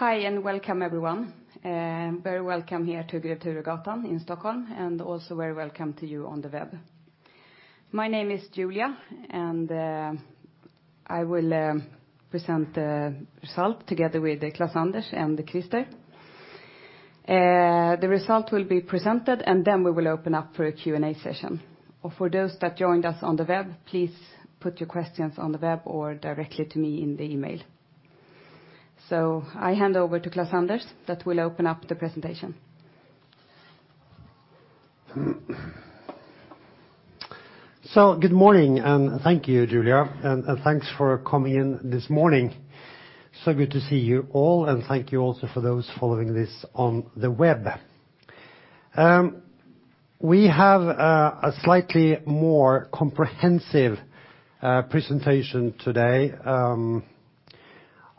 Hi, and welcome everyone. Very welcome here to Grev Turegatan in Stockholm, and also very welcome to you on the web. My name is Julia, and I will present the results together with Klaus-Anders and Christer. The results will be presented, and then we will open up for a Q&A session. For those that joined us on the web, please put your questions on the web or directly to me in the email. I hand over to Klaus-Anders that will open up the presentation. Good morning, and thank you, Julia, and thanks for coming in this morning. Good to see you all, and thank you also for those following this on the web. We have a slightly more comprehensive presentation today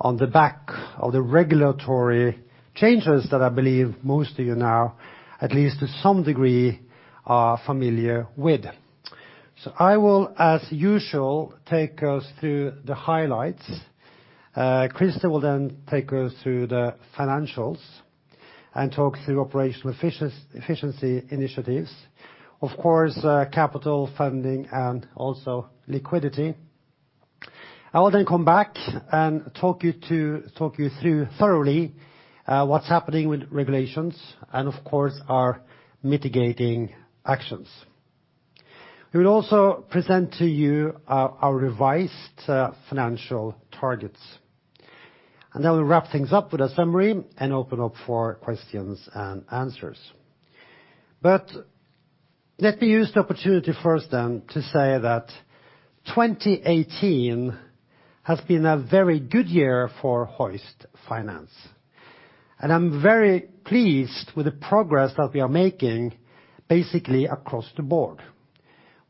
on the back of the regulatory changes that I believe most of you now, at least to some degree, are familiar with. I will, as usual, take us through the highlights. Christer will then take us through the financials and talk through operational efficiency initiatives. Of course, capital funding and also liquidity. I will then come back and talk you through thoroughly what's happening with regulations and of course, our mitigating actions. We will also present to you our revised financial targets. We'll wrap things up with a summary and open up for questions and answers. Let me use the opportunity first then to say that 2018 has been a very good year for Hoist Finance. I'm very pleased with the progress that we are making basically across the board,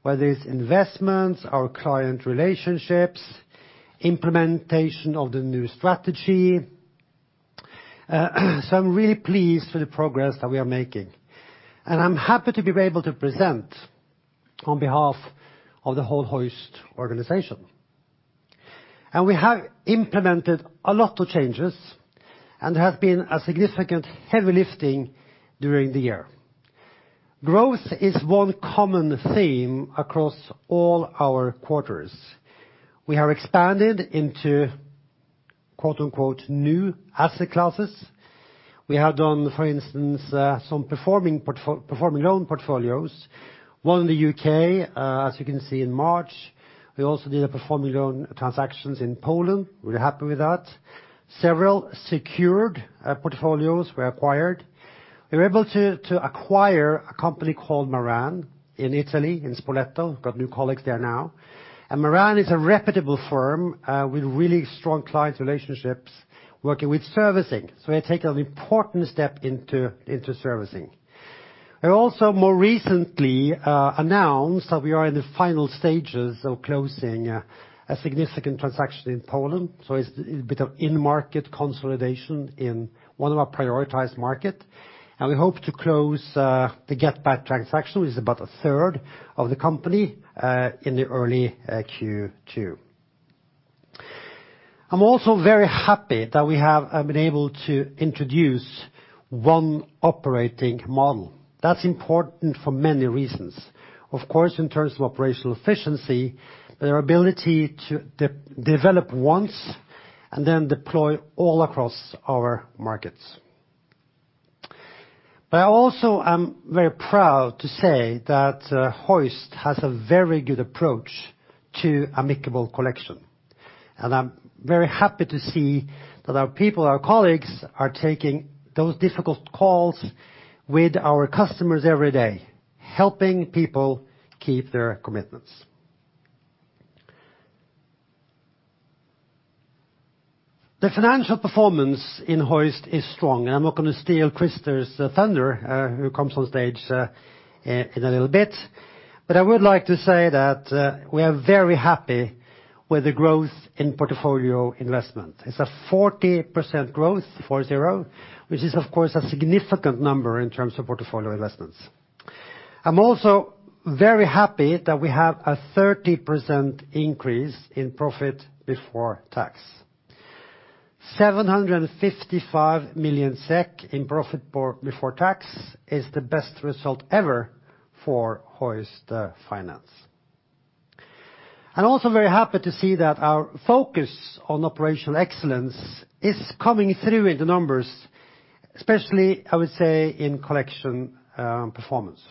whether it's investments, our client relationships, implementation of the new strategy. I'm really pleased for the progress that we are making. I'm happy to be able to present on behalf of the whole Hoist organization. We have implemented a lot of changes and there has been a significant heavy lifting during the year. Growth is one common theme across all our quarters. We have expanded into "new asset classes." We have done, for instance, some performing loan portfolios. One in the U.K., as you can see in March. We also did a performing loan transactions in Poland. We're happy with that. Several secured portfolios were acquired. We were able to acquire a company called Maran in Italy, in Spoleto. Got new colleagues there now. Maran is a reputable firm with really strong client relationships working with servicing. We take an important step into servicing. We also more recently announced that we are in the final stages of closing a significant transaction in Poland. It's a bit of in-market consolidation in one of our prioritized market. We hope to close the GetBack transaction, which is about a third of the company, in the early Q2. I'm also very happy that we have been able to introduce one operating model. That's important for many reasons. Of course, in terms of operational efficiency, their ability to develop once and then deploy all across our markets. I also am very proud to say that Hoist has a very good approach to amicable collection. I'm very happy to see that our people, our colleagues, are taking those difficult calls with our customers every day, helping people keep their commitments. The financial performance in Hoist Finance is strong. I'm not going to steal Christer's thunder, who comes on stage in a little bit. I would like to say that we are very happy with the growth in portfolio investment. It's a 40% growth, which is of course a significant number in terms of portfolio investments. I'm also very happy that we have a 30% increase in profit before tax. 755 million SEK in profit before tax is the best result ever for Hoist Finance. I'm also very happy to see that our focus on operational excellence is coming through in the numbers, especially, I would say, in collection performance.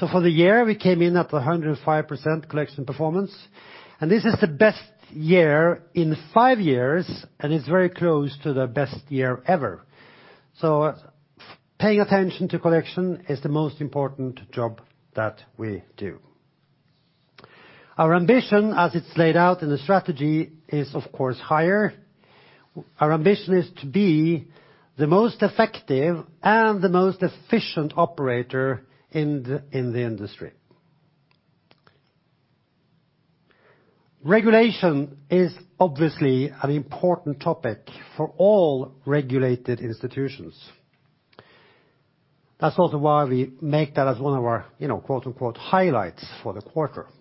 For the year, we came in at 105% collection performance, and this is the best year in five years, and it's very close to the best year ever. Paying attention to collection is the most important job that we do. Our ambition as it's laid out in the strategy is of course higher. Our ambition is to be the most effective and the most efficient operator in the industry. Regulation is obviously an important topic for all regulated institutions. That's also why we make that as one of our "highlights" for the quarter. I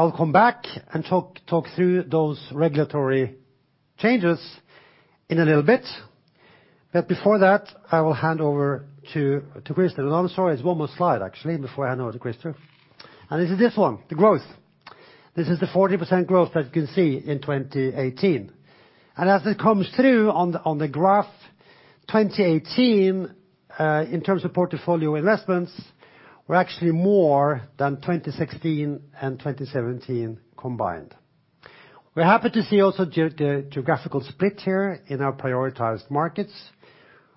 will come back and talk through those regulatory changes in a little bit. Before that, I will hand over to Christer. I'm sorry, it's one more slide actually, before I hand over to Christer. This is this one, the growth. This is the 40% growth that you can see in 2018. As it comes through on the graph, 2018, in terms of portfolio investments, were actually more than 2016 and 2017 combined. We're happy to see also the geographical split here in our prioritized markets.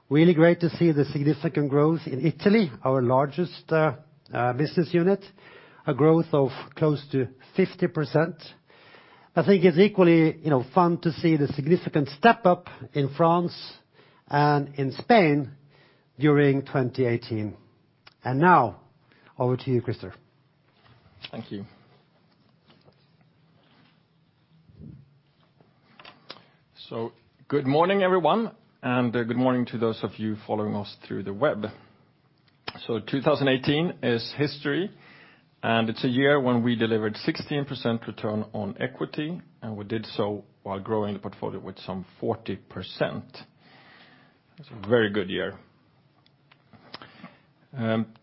Really great to see the significant growth in Italy, our largest business unit, a growth of close to 50%. I think it's equally fun to see the significant step up in France and in Spain during 2018. Now, over to you, Christer. Thank you. Good morning, everyone, and good morning to those of you following us through the web. 2018 is history, and it's a year when we delivered 16% return on equity, and we did so while growing the portfolio with some 40%. It's a very good year.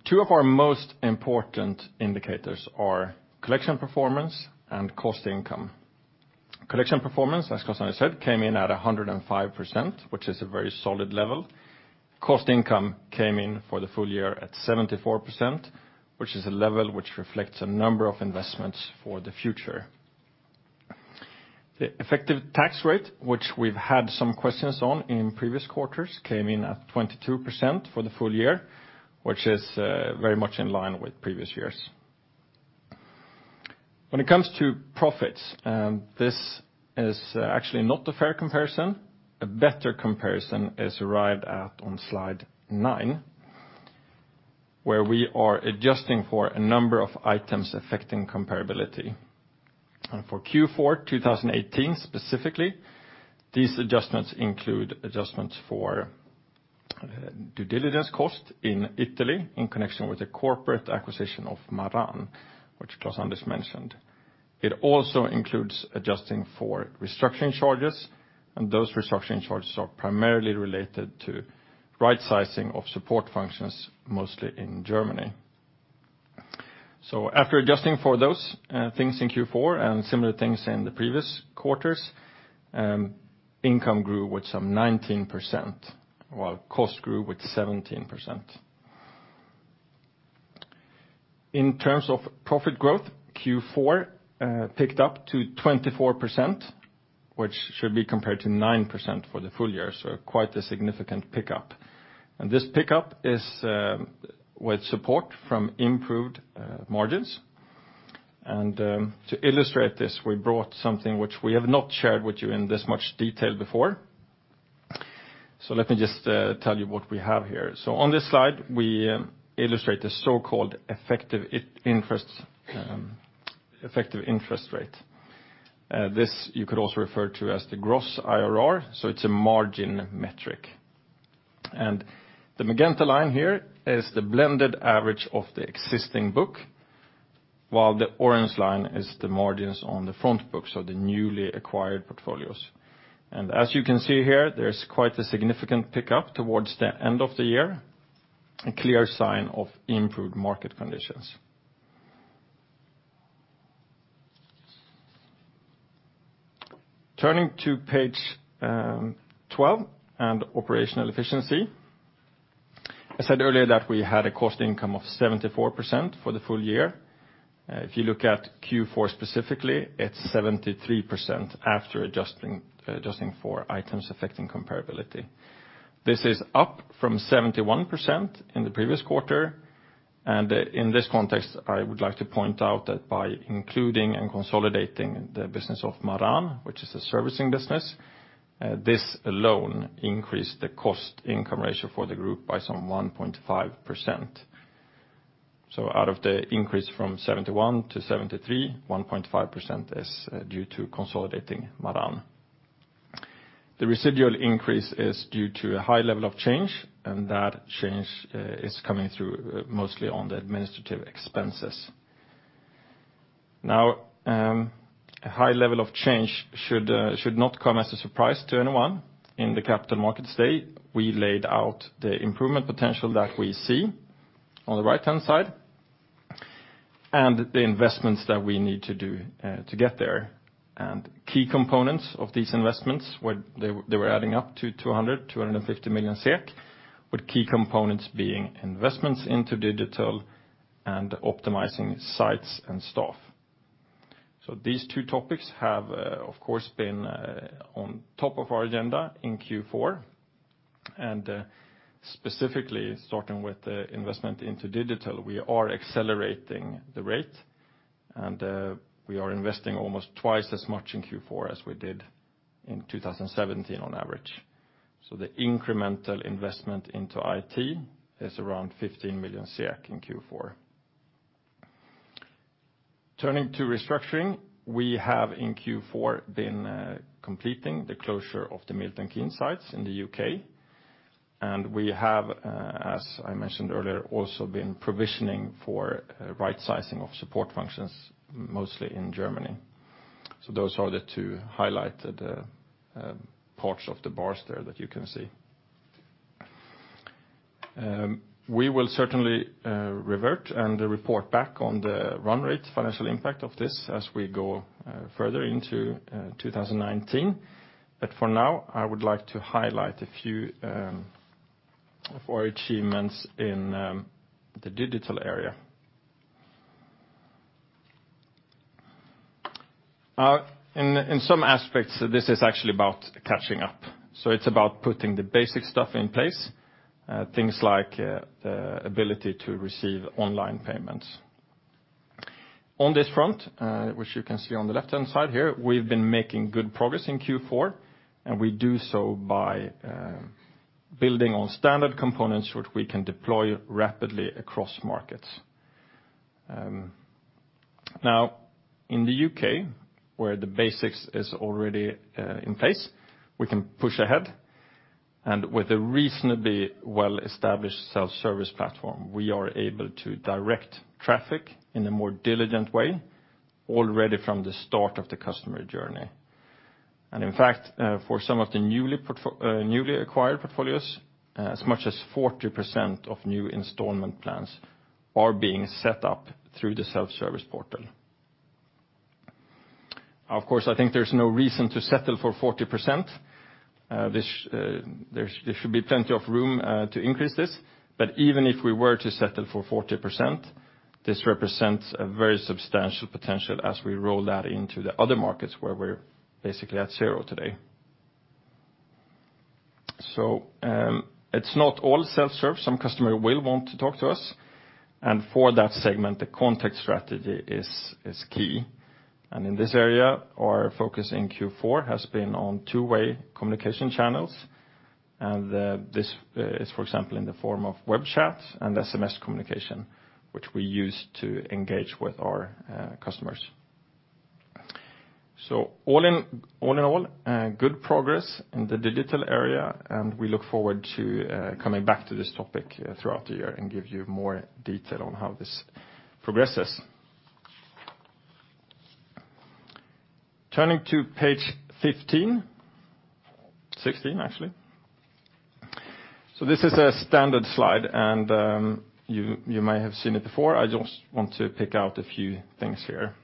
Two of our most important indicators are collection performance and cost income. Collection performance, as Klaus-Anders said, came in at 105%, which is a very solid level. Cost income came in for the full year at 74%, which is a level which reflects a number of investments for the future. The effective tax rate, which we've had some questions on in previous quarters, came in at 22% for the full year, which is very much in line with previous years. When it comes to profits, this is actually not a fair comparison. A better comparison is arrived at on slide nine, where we are adjusting for a number of items affecting comparability. For Q4 2018, specifically, these adjustments include adjustments for due diligence cost in Italy in connection with the corporate acquisition of Maran, which Klaus-Anders mentioned. It also includes adjusting for restructuring charges. Those restructuring charges are primarily related to right sizing of support functions, mostly in Germany. After adjusting for those things in Q4 and similar things in the previous quarters, income grew with some 19%, while cost grew with 17%. In terms of profit growth, Q4 picked up to 24%, which should be compared to 9% for the full year. Quite a significant pickup. This pickup is with support from improved margins. To illustrate this, we brought something which we have not shared with you in this much detail before. Let me just tell you what we have here. On this slide, we illustrate the so-called effective interest rate. This you could also refer to as the gross IRR, so it's a margin metric. The magenta line here is the blended average of the existing book, while the orange line is the margins on the front book, so the newly acquired portfolios. As you can see here, there's quite a significant pickup towards the end of the year, a clear sign of improved market conditions. Turning to page 12 and operational efficiency. I said earlier that we had a cost income of 74% for the full year. If you look at Q4 specifically, it's 73% after adjusting for items affecting comparability. This is up from 71% in the previous quarter. In this context, I would like to point out that by including and consolidating the business of Maran, which is a servicing business, this alone increased the cost income ratio for the group by some 1.5%. Out of the increase from 71% to 73%, 1.5% is due to consolidating Maran. The residual increase is due to a high level of change, and that change is coming through mostly on the administrative expenses. Now, a high level of change should not come as a surprise to anyone. In the Capital Markets Day, we laid out the improvement potential that we see on the right-hand side and the investments that we need to do to get there. Key components of these investments, they were adding up to 200 million-250 million SEK, with key components being investments into digital and optimizing sites and staff. These two topics have, of course, been on top of our agenda in Q4. Specifically, starting with the investment into digital, we are accelerating the rate and we are investing almost twice as much in Q4 as we did in 2017 on average. The incremental investment into IT is around 15 million in Q4. Turning to restructuring, we have in Q4 been completing the closure of the Milton Keynes sites in the U.K., and we have, as I mentioned earlier, also been provisioning for rightsizing of support functions, mostly in Germany. Those are the two highlighted parts of the bars there that you can see. We will certainly revert and report back on the run rate financial impact of this as we go further into 2019. For now, I would like to highlight a few of our achievements in the digital area. In some aspects, this is actually about catching up. It's about putting the basic stuff in place, things like the ability to receive online payments. On this front, which you can see on the left-hand side here, we've been making good progress in Q4, and we do so by building on standard components which we can deploy rapidly across markets. In the U.K., where the basics is already in place, we can push ahead. With a reasonably well-established self-service platform, we are able to direct traffic in a more diligent way already from the start of the customer journey. In fact, for some of the newly acquired portfolios, as much as 40% of new installment plans are being set up through the self-service portal. Of course, I think there's no reason to settle for 40%. There should be plenty of room to increase this, even if we were to settle for 40%, this represents a very substantial potential as we roll that into the other markets where we're basically at zero today. It's not all self-serve. Some customer will want to talk to us, and for that segment, the contact strategy is key. In this area, our focus in Q4 has been on two-way communication channels. This is, for example, in the form of web chat and SMS communication, which we use to engage with our customers. All in all, good progress in the digital area, and we look forward to coming back to this topic throughout the year and give you more detail on how this progresses. Turning to page 15, 16 actually. This is a standard slide, and you may have seen it before. I just want to pick out a few things here.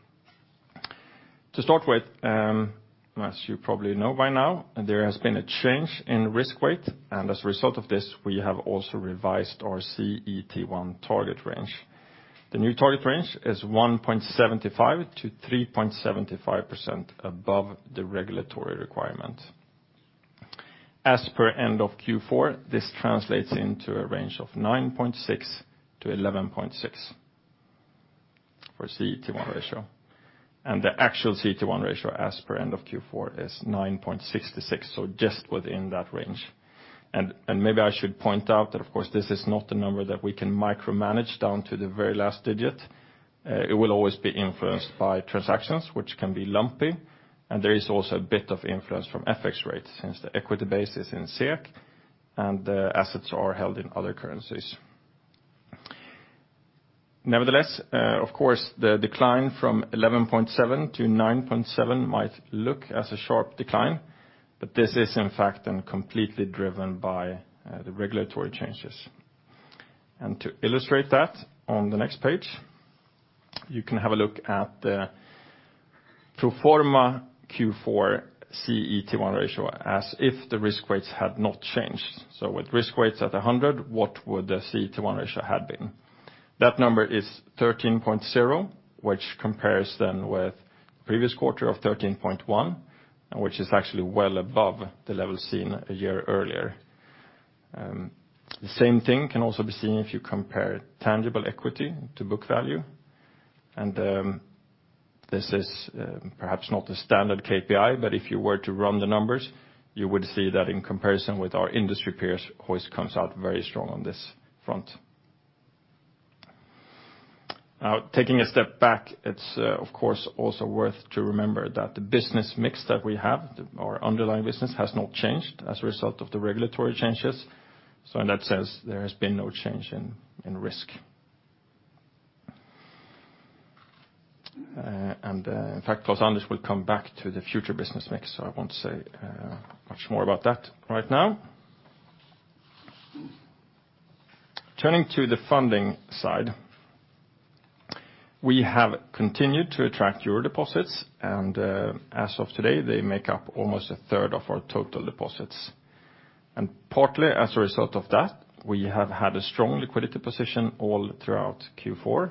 To start with, as you probably know by now, there has been a change in risk weight, as a result of this, we have also revised our CET1 target range. The new target range is 1.75%-3.75% above the regulatory requirement. As per end of Q4, this translates into a range of 9.6%-11.6% for CET1 ratio, the actual CET1 ratio as per end of Q4 is 9.66%, so just within that range. Maybe I should point out that, of course, this is not a number that we can micromanage down to the very last digit. It will always be influenced by transactions, which can be lumpy, and there is also a bit of influence from FX rates since the equity base is in SEK and the assets are held in other currencies. Nevertheless, of course, the decline from 11.7%-9.7% might look as a sharp decline, this is in fact completely driven by the regulatory changes. To illustrate that, on the next page, you can have a look at the pro forma Q4 CET1 ratio as if the risk weights had not changed. With risk weights at 100, what would the CET1 ratio had been? That number is 13.0%, which compares then with previous quarter of 13.1%, which is actually well above the level seen a year earlier. The same thing can also be seen if you compare tangible equity to book value. This is perhaps not the standard KPI, but if you were to run the numbers, you would see that in comparison with our industry peers, Hoist comes out very strong on this front. Taking a step back, it's of course also worth to remember that the business mix that we have, our underlying business, has not changed as a result of the regulatory changes. In that sense, there has been no change in risk. In fact, Klaus-Anders will come back to the future business mix, so I won't say much more about that right now. Turning to the funding side, we have continued to attract euro deposits and as of today, they make up almost a third of our total deposits. Partly as a result of that, we have had a strong liquidity position all throughout Q4.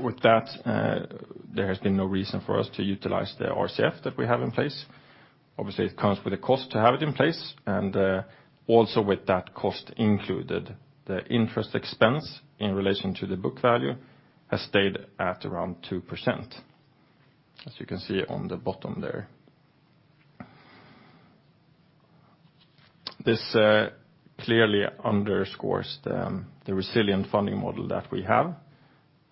With that, there has been no reason for us to utilize the RCF that we have in place. Obviously, it comes with a cost to have it in place, and also with that cost included, the interest expense in relation to the book value has stayed at around 2%, as you can see on the bottom there. This clearly underscores the resilient funding model that we have,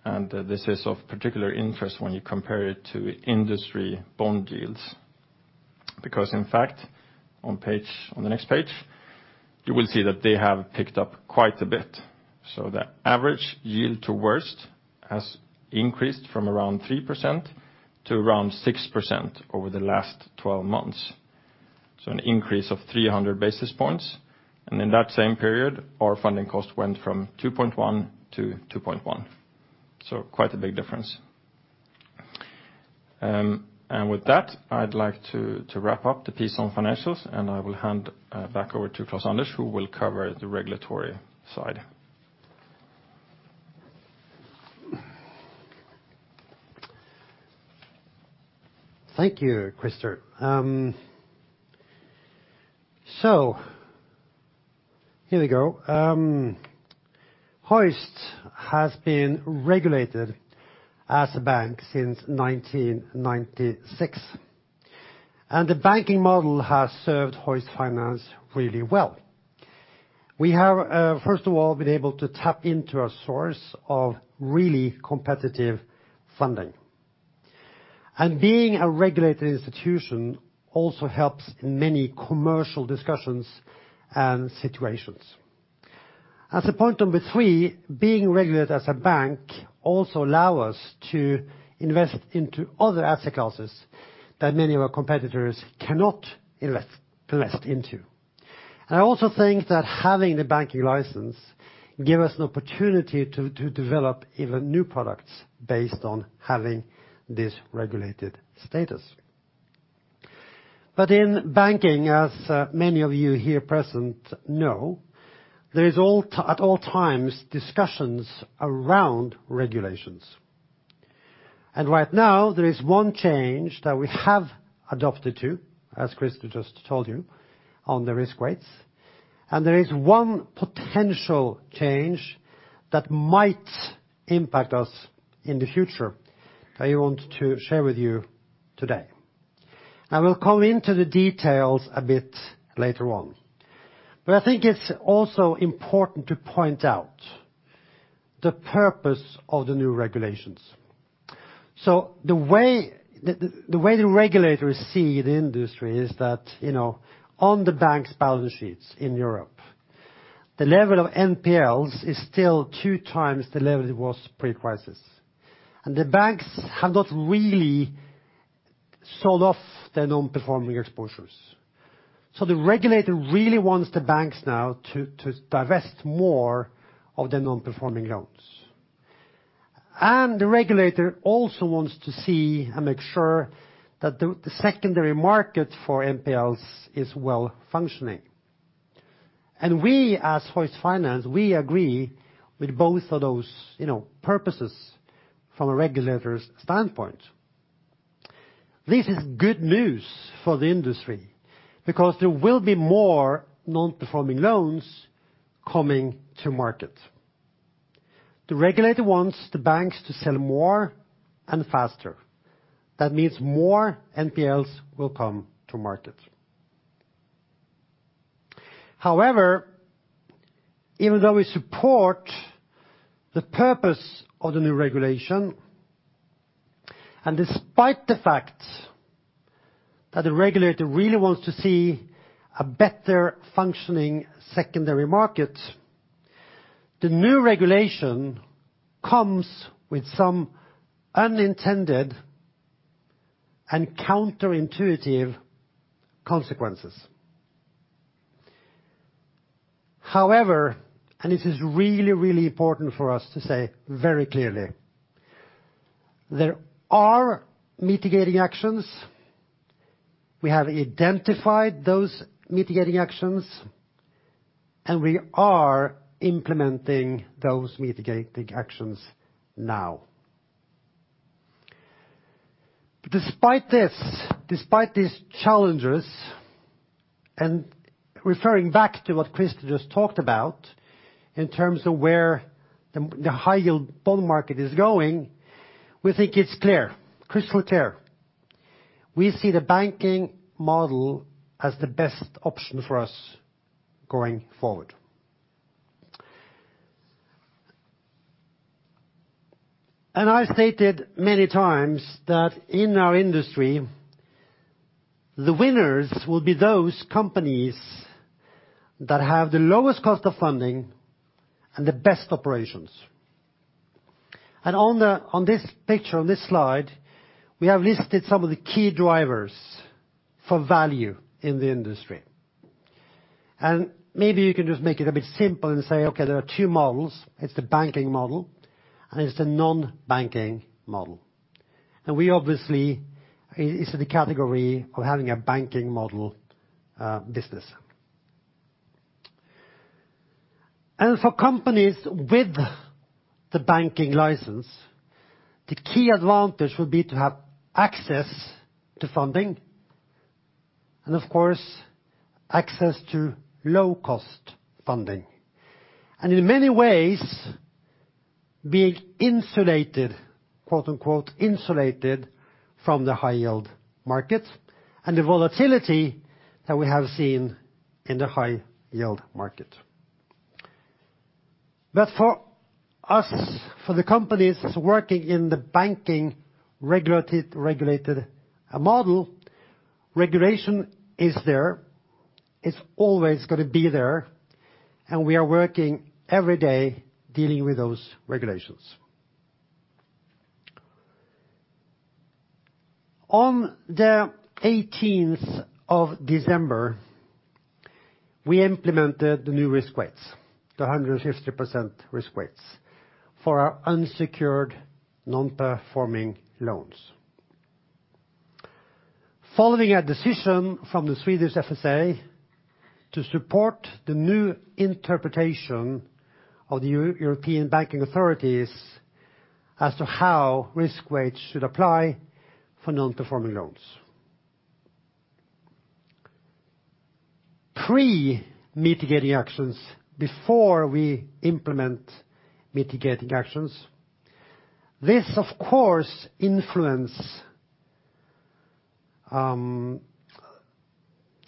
and this is of particular interest when you compare it to industry bond deals. In fact, on the next page, you will see that they have picked up quite a bit. The average yield to worst has increased from around 3% to around 6% over the last 12 months. An increase of 300 basis points. In that same period, our funding cost went from 2.1% to 2.1%. Quite a big difference. With that, I'd like to wrap up the piece on financials, and I will hand back over to Klaus-Anders, who will cover the regulatory side. Thank you, Christer. Here we go. Hoist has been regulated as a bank since 1996, and the banking model has served Hoist Finance really well. We have, first of all, been able to tap into a source of really competitive funding. Being a regulated institution also helps in many commercial discussions and situations. As a point number three, being regulated as a bank also allow us to invest into other asset classes that many of our competitors cannot invest into. I also think that having the banking license give us an opportunity to develop even new products based on having this regulated status. In banking, as many of you here present know, there is at all times discussions around regulations. Right now there is one change that we have adopted to, as Christer just told you, on the risk weights. There is one potential change that might impact us in the future that I want to share with you today. I will come into the details a bit later on. I think it's also important to point out the purpose of the new regulations. The way the regulators see the industry is that on the bank's balance sheets in Europe, the level of NPLs is still two times the level it was pre-crisis. The banks have not really sold off their non-performing exposures. The regulator really wants the banks now to divest more of their non-performing loans. The regulator also wants to see and make sure that the secondary market for NPLs is well functioning. We as Hoist Finance, we agree with both of those purposes from a regulator's standpoint. This is good news for the industry because there will be more non-performing loans coming to market. The regulator wants the banks to sell more and faster. That means more NPLs will come to market. Even though we support the purpose of the new regulation, and despite the fact that the regulator really wants to see a better functioning secondary market, the new regulation comes with some unintended and counterintuitive consequences. This is really, really important for us to say very clearly, there are mitigating actions. We have identified those mitigating actions, and we are implementing those mitigating actions now. Despite this, despite these challenges, referring back to what Christer just talked about in terms of where the high yield bond market is going, we think it's clear, crystal clear. We see the banking model as the best option for us going forward. I stated many times that in our industry, the winners will be those companies that have the lowest cost of funding and the best operations. On this picture, on this slide, we have listed some of the key drivers for value in the industry. Maybe you can just make it a bit simple and say, okay, there are two models. It's the banking model and it's the non-banking model. We obviously is in the category of having a banking model business. For companies with the banking license, the key advantage would be to have access to funding and of course, access to low cost funding. In many ways being "insulated" from the high yield market and the volatility that we have seen in the high yield market. For us, for the companies working in the banking regulated model, regulation is there. It's always going to be there. We are working every day dealing with those regulations. On the 18th of December, we implemented the new risk weights, the 150% risk weights for our unsecured non-performing loans. Following a decision from the Swedish FSA to support the new interpretation of the European Banking Authority as to how risk weights should apply for non-performing loans. Pre-mitigating actions, before we implement mitigating actions, this, of course, influence the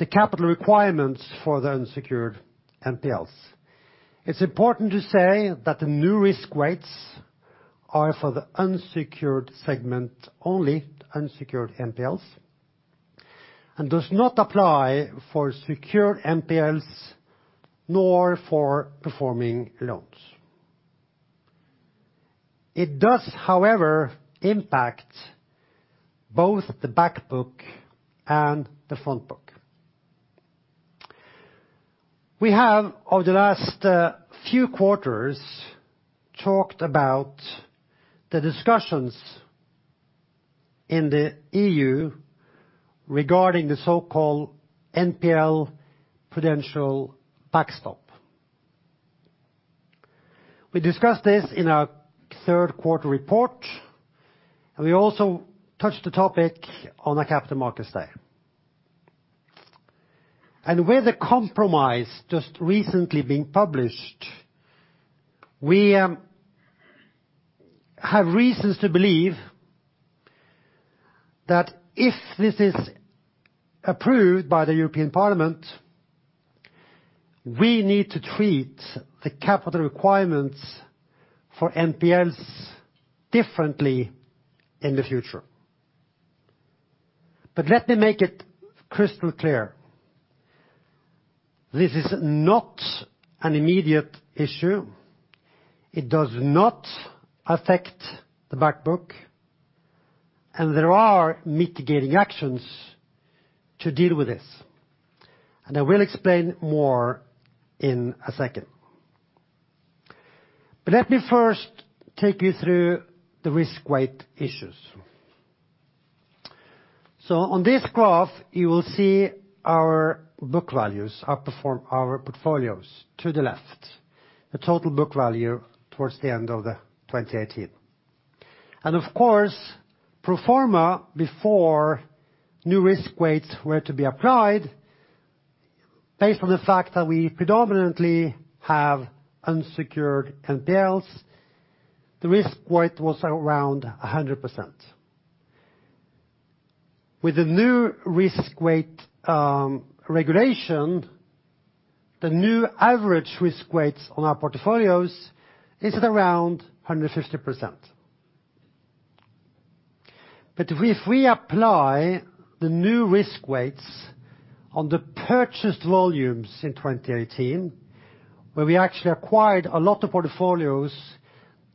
capital requirements for the unsecured NPLs. It's important to say that the new risk weights are for the unsecured segment only, unsecured NPLs, does not apply for secured NPLs nor for performing loans. It does, however, impact both the back book and the front book. We have, over the last few quarters, talked about the discussions in the EU regarding the so-called NPL Prudential Backstop. We discussed this in our third quarter report. We also touched the topic on the Capital Markets Day. With the compromise just recently being published, we have reasons to believe that if this is approved by the European Parliament, we need to treat the capital requirements for NPLs differently in the future. Let me make it crystal clear. This is not an immediate issue. It does not affect the back book, and there are mitigating actions to deal with this. I will explain more in a second. Let me first take you through the risk weight issues. On this graph, you will see our book values our portfolios to the left, the total book value towards the end of 2018. Of course, pro forma, before new risk weights were to be applied, based on the fact that we predominantly have unsecured NPLs, the risk weight was around 100%. With the new risk weight regulation, the new average risk weights on our portfolios is at around 150%. If we apply the new risk weights on the purchased volumes in 2018, where we actually acquired a lot of portfolios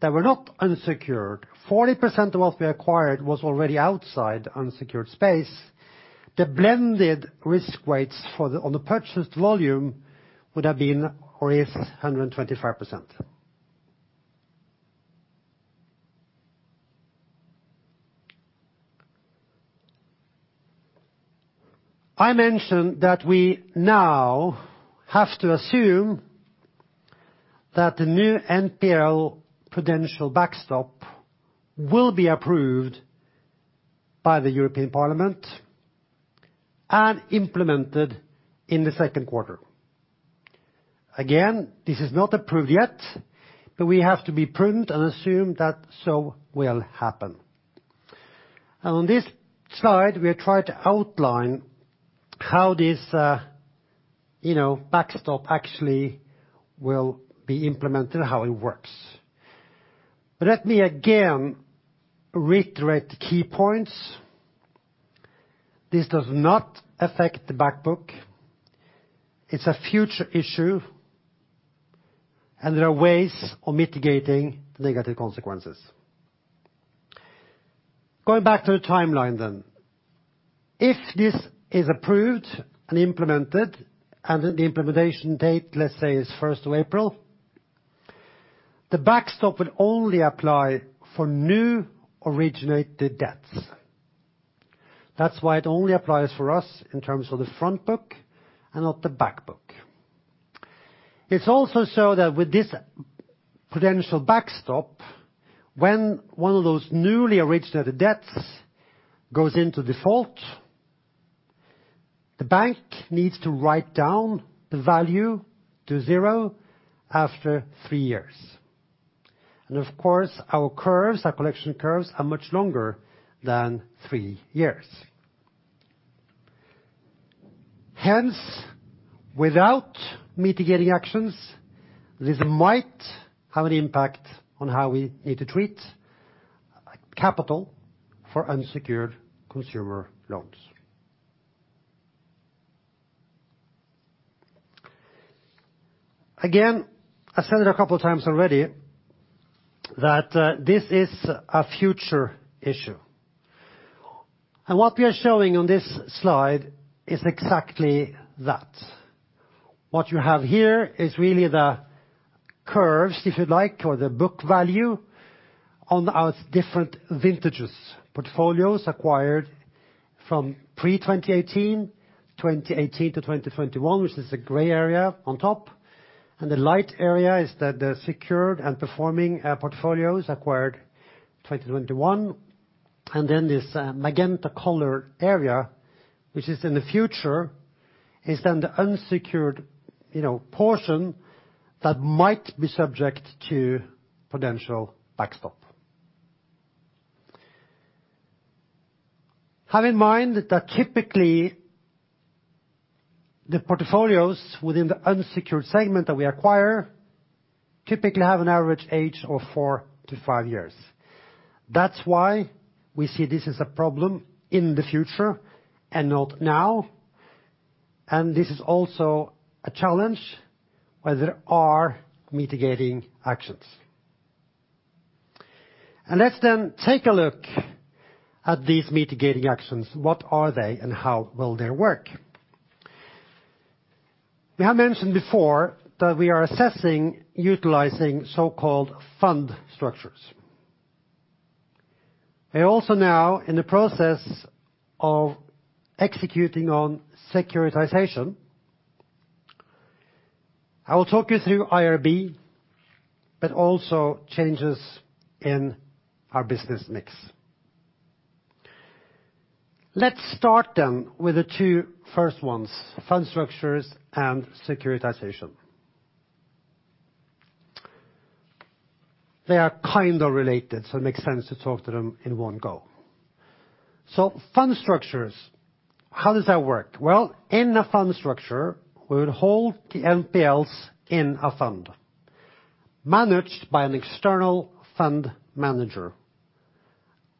that were not unsecured, 40% of what we acquired was already outside unsecured space, the blended risk weights on the purchased volume would have been 125%. I mentioned that we now have to assume that the new NPL Prudential Backstop will be approved by the European Parliament and implemented in the second quarter. Again, this is not approved yet, but we have to be prudent and assume that so will happen. On this slide, we try to outline how this backstop actually will be implemented, how it works. Let me again reiterate the key points. This does not affect the back book. It's a future issue, and there are ways of mitigating negative consequences. Going back to the timeline. If this is approved and implemented, and the implementation date, let's say, is 1st of April, the backstop would only apply for new originated debts. That's why it only applies for us in terms of the front book and not the back book. It's also so that with this Prudential Backstop, when one of those newly originated debts goes into default. The bank needs to write down the value to zero after three years. Of course, our collection curves are much longer than three years. Hence, without mitigating actions, this might have an impact on how we need to treat capital for unsecured consumer loans. Again, I've said it a couple times already that this is a future issue. What we are showing on this slide is exactly that. What you have here is really the curves, if you like, or the book value on our different vintages, portfolios acquired from pre-2018, 2018-2021, which is the gray area on top, and the light area is the secured and performing portfolios acquired 2021. Then this magenta color area, which is in the future, is then the unsecured portion that might be subject to potential Backstop. Have in mind that typically, the portfolios within the unsecured segment that we acquire typically have an average age of four-five years. That's why we see this as a problem in the future and not now. This is also a challenge where there are mitigating actions. Let's then take a look at these mitigating actions. What are they and how will they work? We have mentioned before that we are assessing utilizing so-called fund structures. We are also now in the process of executing on securitization. I will talk you through IRB, but also changes in our business mix. Let's start then with the two first ones, fund structures and securitization. They are kind of related, so it makes sense to talk through them in one go. Fund structures, how does that work? In a fund structure, we would hold the NPLs in a fund managed by an external fund manager,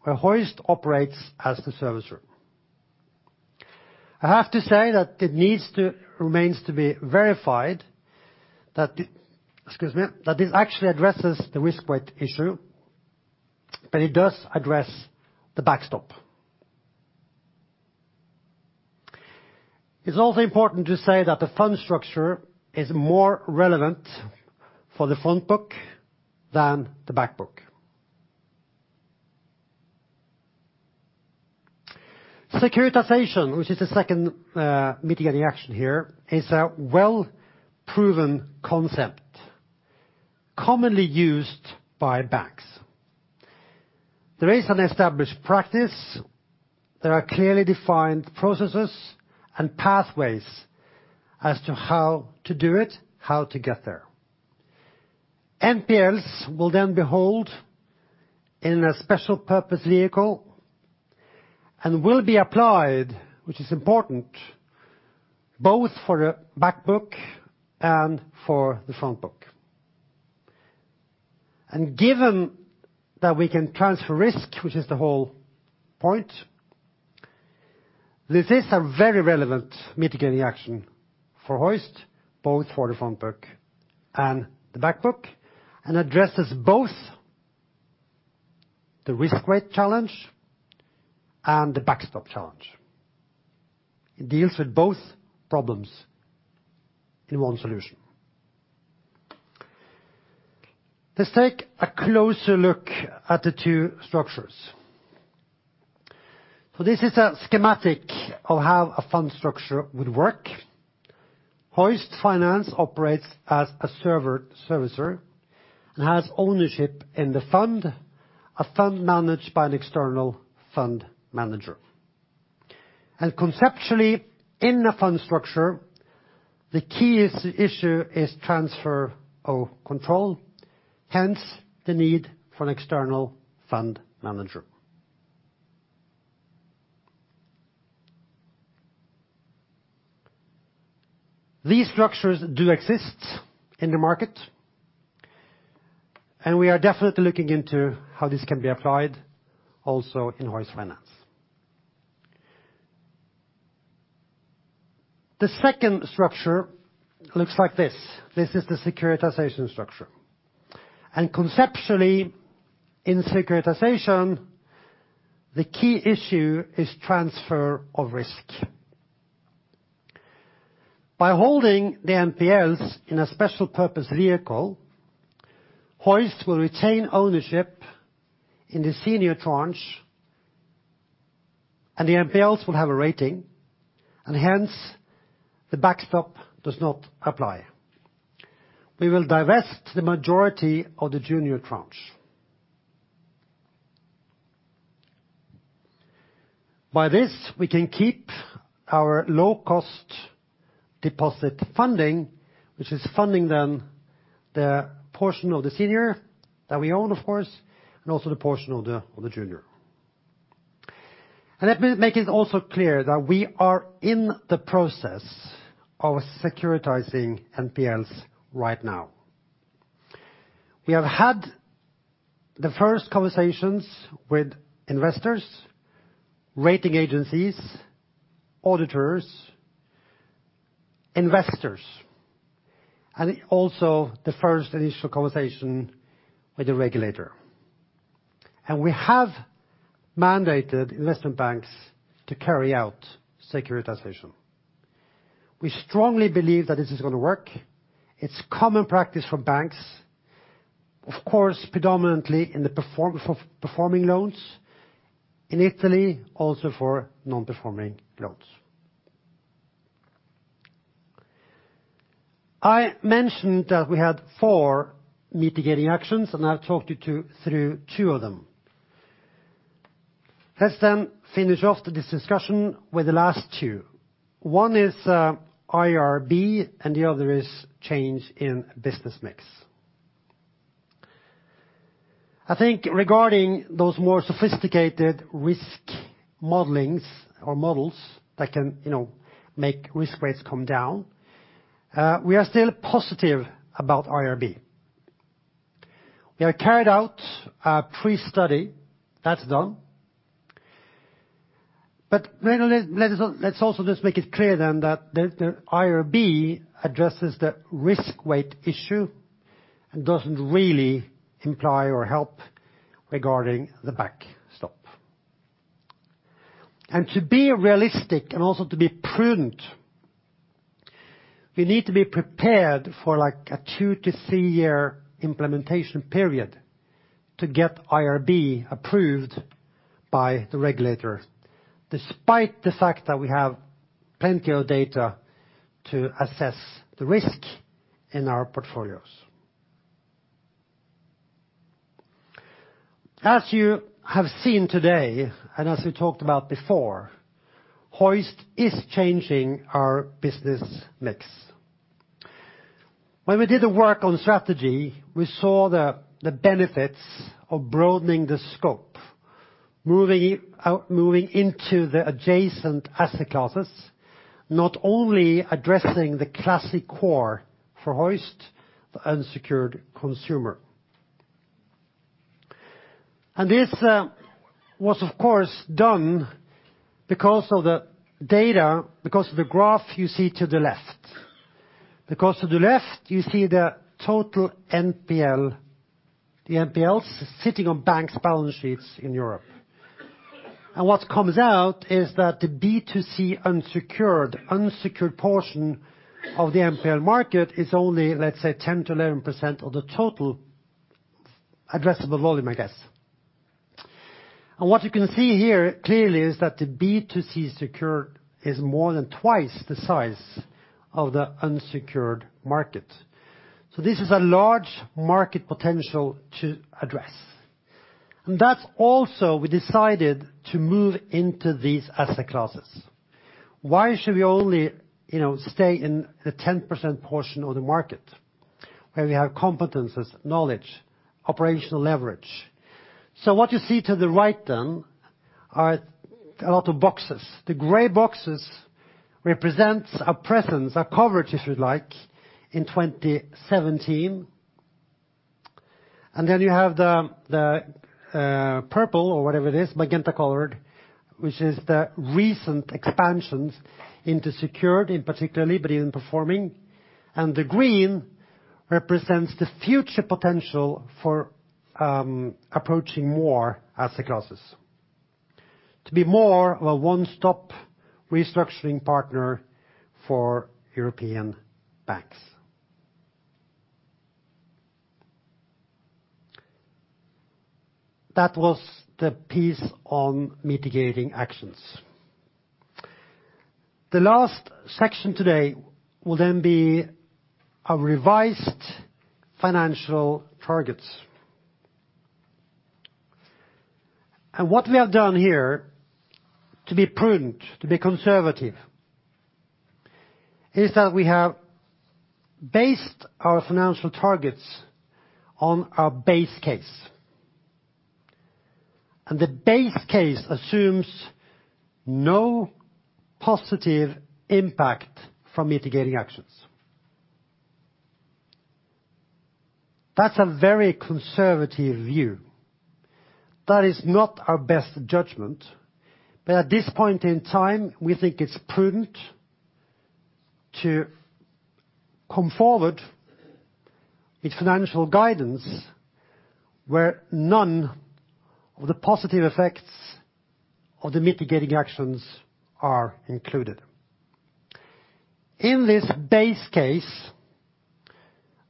where Hoist operates as the servicer. I have to say that it remains to be verified that it actually addresses the risk weight issue, but it does address the backstop. It's also important to say that the fund structure is more relevant for the front book than the back book. Securitization, which is the second mitigating action here, is a well proven concept commonly used by banks. There is an established practice. There are clearly defined processes and pathways as to how to do it, how to get there. NPLs will then be held in a special purpose vehicle and will be applied, which is important, both for the back book and for the front book. Given that we can transfer risk, which is the whole point, this is a very relevant mitigating action for Hoist, both for the front book and the back book, and addresses both the risk weight challenge and the backstop challenge. It deals with both problems in one solution. Let's take a closer look at the two structures. This is a schematic of how a fund structure would work. Hoist Finance operates as a servicer and has ownership in the fund, a fund managed by an external fund manager. Conceptually, in the fund structure, the key issue is transfer of control, hence the need for an external fund manager. These structures do exist in the market, and we are definitely looking into how this can be applied also in Hoist Finance. The second structure looks like this. This is the securitization structure. Conceptually, in securitization, the key issue is transfer of risk. By holding the NPLs in a special purpose vehicle, Hoist will retain ownership in the senior tranche, and the NPLs will have a rating, and hence, the backstop does not apply. We will divest the majority of the junior tranche. By this, we can keep our low-cost deposit funding, which is funding then the portion of the senior that we own, of course, and also the portion of the junior. Let me make it also clear that we are in the process of securitizing NPLs right now. We have had the first conversations with investors, rating agencies, auditors, investors, and also the first initial conversation with the regulator. We have mandated investment banks to carry out securitization. We strongly believe that this is going to work. It's common practice for banks, of course, predominantly in the performing loans in Italy, also for non-performing loans. I mentioned that we had four mitigating actions, and I've talked you through two of them. Let's then finish off this discussion with the last two. One is IRB, and the other is change in business mix. I think regarding those more sophisticated risk modelings or models that can make risk rates come down, we are still positive about IRB. We have carried out a pre-study. That's done. Let's also just make it clear then that the IRB addresses the risk weight issue and doesn't really imply or help regarding the backstop. To be realistic and also to be prudent, we need to be prepared for a two-three year implementation period to get IRB approved by the regulator, despite the fact that we have plenty of data to assess the risk in our portfolios. As you have seen today and as we talked about before, Hoist is changing our business mix. When we did the work on strategy, we saw the benefits of broadening the scope, moving into the adjacent asset classes, not only addressing the classic core for Hoist, the unsecured consumer. This was, of course, done because of the data, because of the graph you see to the left. Because to the left, you see the total NPL, the NPLs sitting on banks' balance sheets in Europe. What comes out is that the B2C unsecured portion of the NPL market is only, let's say, 10%-11% of the total addressable volume, I guess. What you can see here clearly is that the B2C secured is more than twice the size of the unsecured market. This is a large market potential to address. That's also we decided to move into these asset classes. Why should we only stay in the 10% portion of the market where we have competencies, knowledge, operational leverage? What you see to the right then are a lot of boxes. The gray boxes represents a presence, a coverage, if you like, in 2017. Then you have the purple or whatever it is, magenta colored, which is the recent expansions into secured in particularly, but in performing. The green represents the future potential for approaching more asset classes. To be more of a one-stop restructuring partner for European banks. That was the piece on mitigating actions. The last section today will then be our revised financial targets. What we have done here, to be prudent, to be conservative, is that we have based our financial targets on our base case. The base case assumes no positive impact from mitigating actions. That's a very conservative view. That is not our best judgment, but at this point in time, we think it's prudent to come forward with financial guidance where none of the positive effects of the mitigating actions are included. In this base case,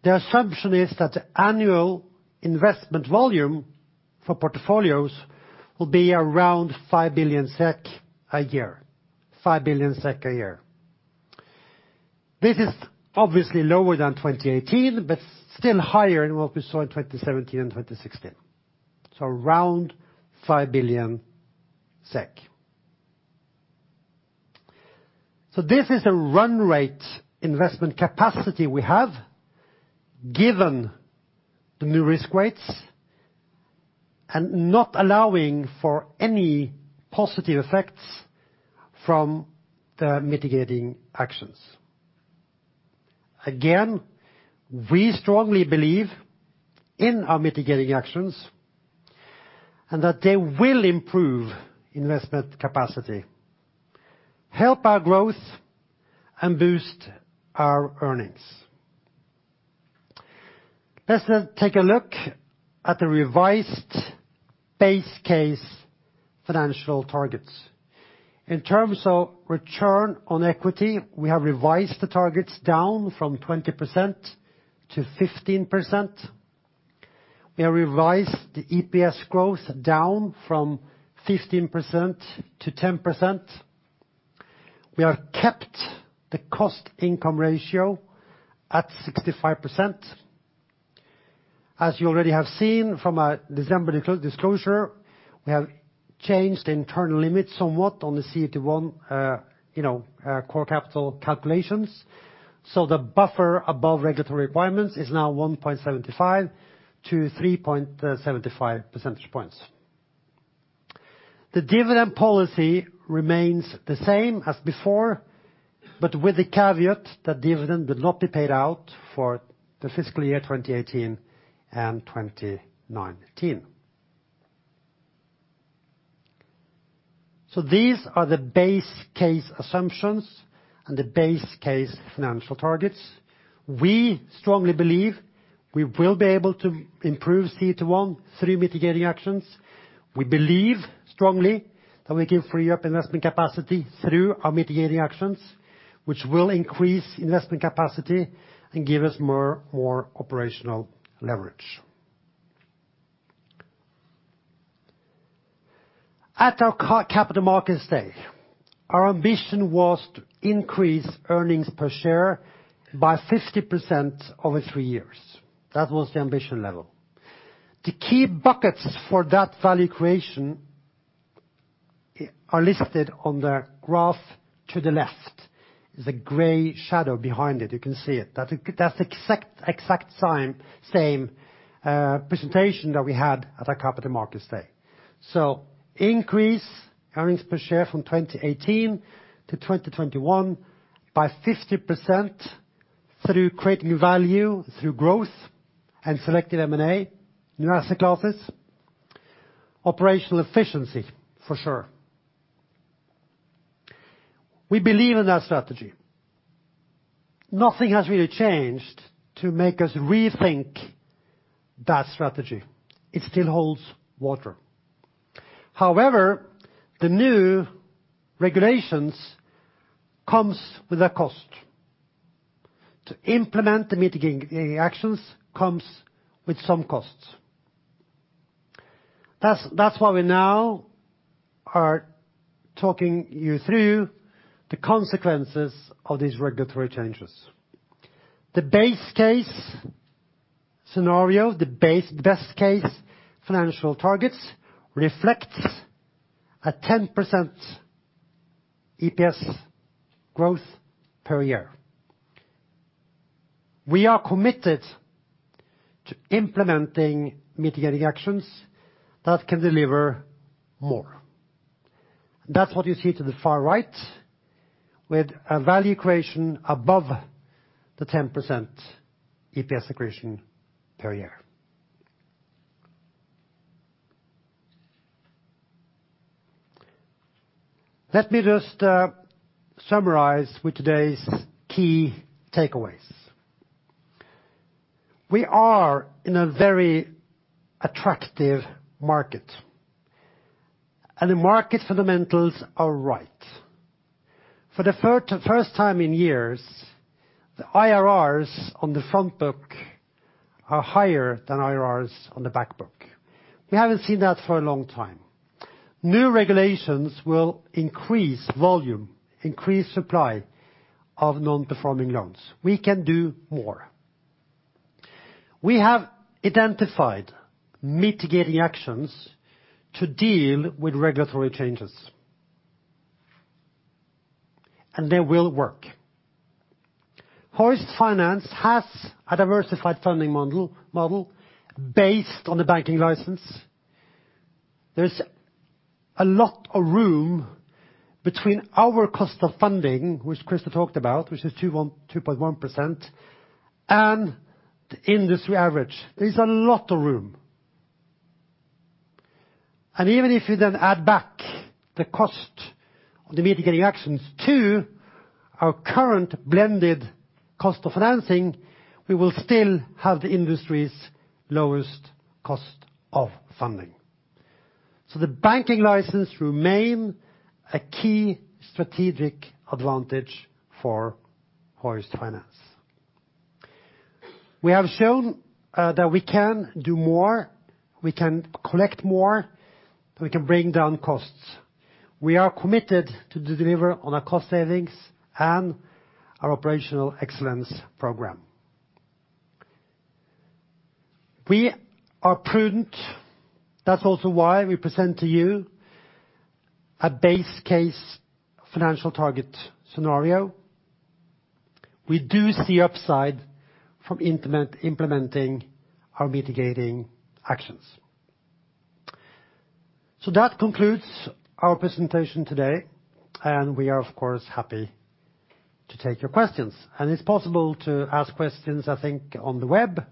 the assumption is that the annual investment volume for portfolios will be around 5 billion SEK a year. This is obviously lower than 2018, still higher than what we saw in 2017 and 2016. Around SEK 5 billion. This is a run rate investment capacity we have given the new risk weights and not allowing for any positive effects from the mitigating actions. Again, we strongly believe in our mitigating actions and that they will improve investment capacity, help our growth, and boost our earnings. Let's take a look at the revised base case financial targets. In terms of return on equity, we have revised the targets down from 20%-15%. We have revised the EPS growth down from 15%-10%. We have kept the cost-income ratio at 65%. As you already have seen from our December disclosure, we have changed the internal limits somewhat on the CET1 core capital calculations. The buffer above regulatory requirements is now 1.75-3.75 percentage points. The dividend policy remains the same as before, but with the caveat that dividend will not be paid out for the fiscal year 2018 and 2019. These are the base case assumptions and the base case financial targets. We strongly believe we will be able to improve CET1 through mitigating actions. We believe strongly that we can free up investment capacity through our mitigating actions, which will increase investment capacity and give us more operational leverage. At our Capital Markets Day, our ambition was to increase earnings per share by 50% over three years. That was the ambition level. The key buckets for that value creation are listed on the graph to the left. There's a gray shadow behind it. You can see it. That's the exact same presentation that we had at our Capital Markets Day. Increase earnings per share from 2018 to 2021 by 50% through creating value through growth and selected M&A, new asset classes, operational efficiency for sure. We believe in that strategy. Nothing has really changed to make us rethink that strategy. It still holds water. However, the new regulations comes with a cost. To implement the mitigating actions comes with some costs. That's why we now are talking you through the consequences of these regulatory changes. The base case scenario, the base case financial targets reflect a 10% EPS growth per year. We are committed to implementing mitigating actions that can deliver more. That's what you see to the far right, with a value creation above the 10% EPS accretion per year. Let me just summarize with today's key takeaways. We are in a very attractive market, the market fundamentals are right. For the first time in years, the IRRs on the front book are higher than IRRs on the back book. We haven't seen that for a long time. New regulations will increase volume, increase supply of non-performing loans. We can do more. We have identified mitigating actions to deal with regulatory changes, and they will work. Hoist Finance has a diversified funding model based on the banking license. There is a lot of room between our cost of funding, which Christer talked about, which is 2.1%, and the industry average. There's a lot of room. Even if you then add back the cost of the mitigating actions to our current blended cost of financing, we will still have the industry's lowest cost of funding. The banking license remains a key strategic advantage for Hoist Finance. We have shown that we can do more, we can collect more, we can bring down costs. We are committed to deliver on our cost savings and our operational excellence program. We are prudent. That's also why we present to you a base case financial target scenario. We do see upside from implementing our mitigating actions. That concludes our presentation today, and we are, of course, happy to take your questions. It's possible to ask questions, I think, on the web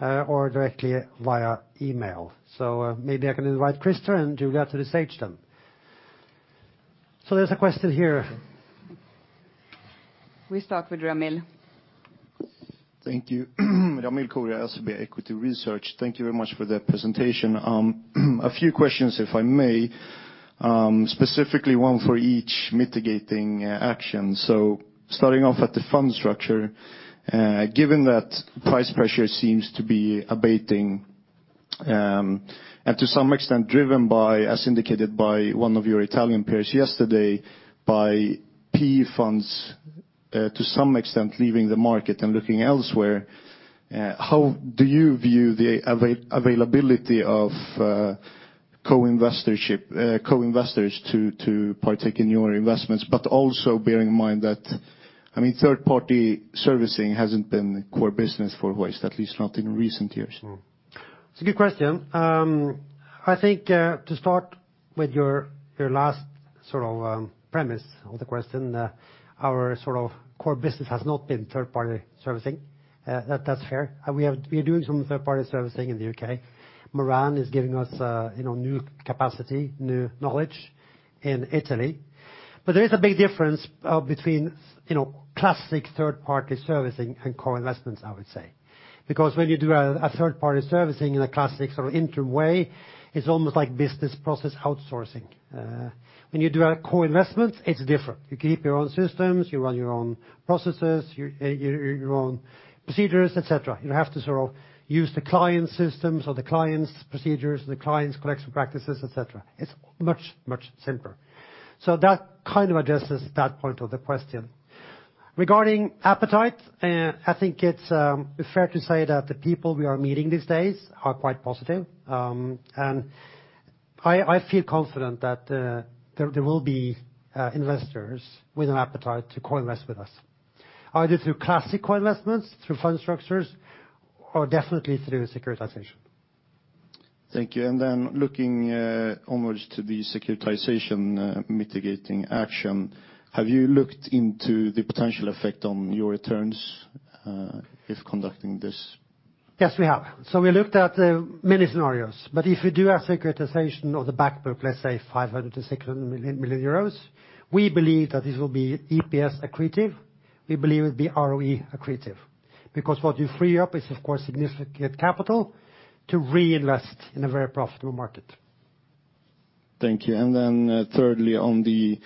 or directly via email. Maybe I can invite Christer and Julia to the stage then. There's a question here. We start with Ramil. Thank you. Ramil Koria, SEB Equity Research. Thank you very much for that presentation. A few questions, if I may, specifically one for each mitigating action. Starting off at the fund structure. Given that price pressure seems to be abating and to some extent driven by, as indicated by one of your Italian peers yesterday, by PE funds to some extent leaving the market and looking elsewhere, how do you view the availability of co-investors to partake in your investments, but also bear in mind that third-party servicing hasn't been core business for Hoist, at least not in recent years? It's a good question. I think to start with your last premise of the question, our core business has not been third-party servicing. That's fair. We are doing some third-party servicing in the U.K. Maran is giving us new capacity, new knowledge in Italy. There is a big difference between classic third-party servicing and co-investments, I would say. Because when you do a third-party servicing in a classic interim way, it's almost like business process outsourcing. When you do a co-investment, it's different. You keep your own systems, you run your own processes, your own procedures, et cetera. You don't have to use the client's systems or the client's procedures, the client's collection practices, et cetera. It's much, much simpler. That kind of addresses that point of the question. Regarding appetite, I think it's fair to say that the people we are meeting these days are quite positive. I feel confident that there will be investors with an appetite to co-invest with us. Either through classic co-investments, through fund structures, or definitely through securitization. Thank you. Looking onwards to the securitization mitigating action, have you looked into the potential effect on your returns if conducting this? Yes, we have. We looked at many scenarios, but if we do a securitization of the back book, let's say 500 million-600 million euros, we believe that this will be EPS accretive. We believe it'll be ROE accretive. What you free up is, of course, significant capital to reinvest in a very profitable market. Thank you. Thirdly on the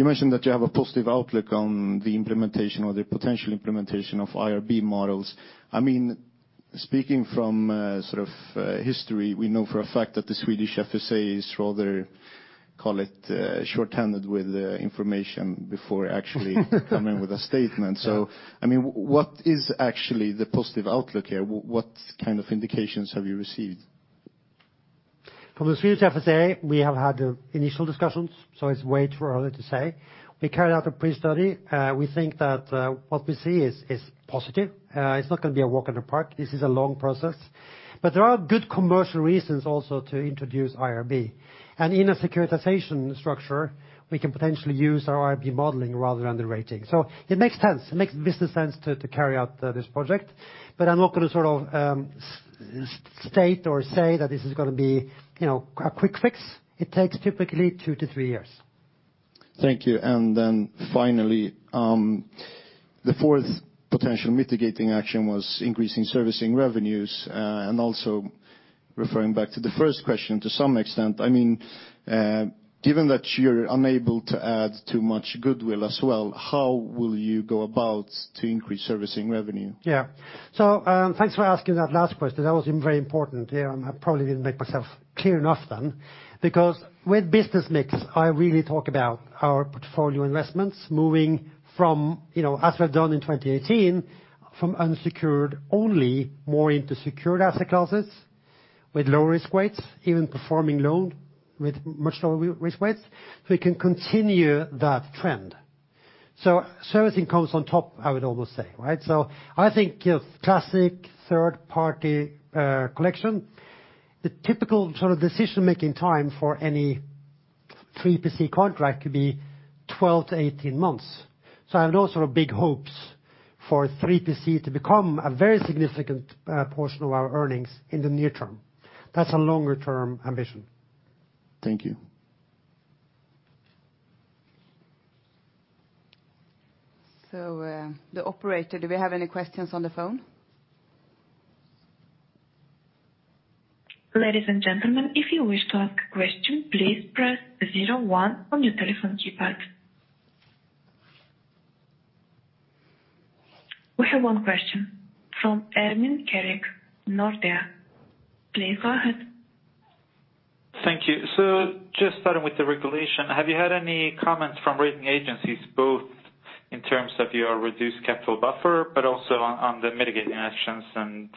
You mentioned that you have a positive outlook on the implementation or the potential implementation of IRB models. Speaking from history, we know for a fact that the Swedish FSA is rather, call it shorthanded with information before actually coming with a statement. What is actually the positive outlook here? What kind of indications have you received? From the Swedish FSA, we have had initial discussions, it's way too early to say. We carried out a pre-study. We think that what we see is positive. It's not going to be a walk in the park. This is a long process. But there are good commercial reasons also to introduce IRB. In a securitization structure, we can potentially use our IRB modeling rather than the rating. It makes sense, it makes business sense to carry out this project. But I'm not going to state or say that this is going to be a quick fix. It takes typically two to three years. Thank you. Finally, the fourth potential mitigating action was increasing servicing revenues. Also referring back to the first question, to some extent, given that you're unable to add too much goodwill as well, how will you go about to increase servicing revenue? Thanks for asking that last question. That was very important. I probably didn't make myself clear enough then. Because with business mix, I really talk about our portfolio investments moving from, as we've done in 2018, from unsecured only more into secured asset classes with low risk weights, even performing loan with much lower risk weights. We can continue that trend. Servicing comes on top, I would almost say. I think your classic third-party collection, the typical decision making time for any 3PC contract could be 12-18 months. I have no big hopes for 3PC to become a very significant portion of our earnings in the near term. That's a longer term ambition. Thank you. The operator, do we have any questions on the phone? Ladies and gentlemen, if you wish to ask a question, please press zero one on your telephone keypad. We have one question from Ermin Keric, Nordea. Please go ahead. Thank you. Just starting with the regulation, have you had any comments from rating agencies, both in terms of your reduced capital buffer, but also on the mitigating actions and